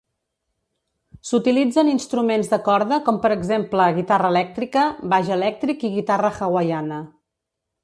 S'utilitza en instruments de corda com per exemple guitarra elèctrica, baix elèctric i guitarra hawaiana.